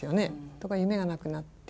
ところが夢がなくなって。